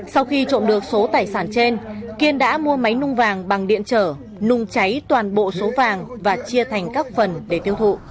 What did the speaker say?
sau khi trộm được số tài sản trên kiên đã mua máy nung vàng bằng điện trở nung cháy toàn bộ số vàng và chia thành các phần để tiêu thụ